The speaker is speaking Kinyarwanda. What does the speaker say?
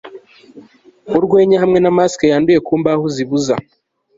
Urwenya hamwe na mask yanduye ku mbaho zibuza